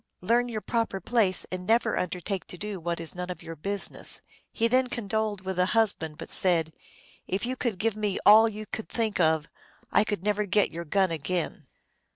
Learn your proper place, and never undertake to do what is none of your business." He then condoled with the husband, but said, " If you could give me all you could think of, I could never get your gun again."